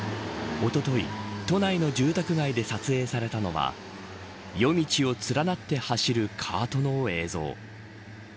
おととい都内の住宅街で撮影されたのは夜道を連なって走るカートの映像。